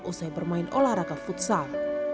usai bermain olahraga futsal